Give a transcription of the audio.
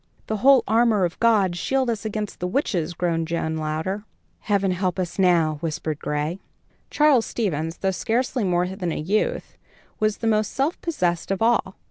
"The whole armor of God shield us against the witches," groaned John Louder. "Heaven help us now!" whispered Gray. Charles Stevens, though scarcely more than a youth, was the most self possessed of all.